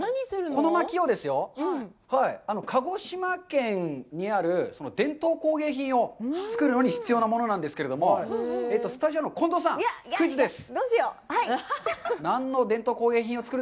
このまきをですよ、鹿児島県にある伝統工芸品を作るのに必要なものなんですけれども、スタジオの近藤さん、クイズです。